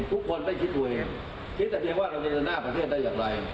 ทุกคนไม่คิดตัวเองคิดแต่เพียงว่าเราจะเดินหน้าประเทศได้อย่างไร